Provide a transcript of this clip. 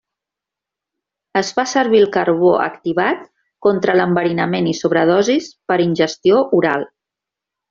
Es fa servir el carbó activat contra l'enverinament i sobredosis per ingestió oral.